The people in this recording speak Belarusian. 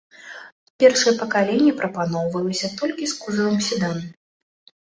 Першае пакаленне прапаноўвалася толькі з кузавам седан.